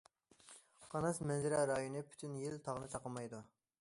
قاناس مەنزىرە رايونى پۈتۈن يىل تاغنى تاقىمايدۇ.